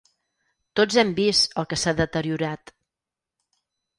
Tots hem vist el que s’ha deteriorat.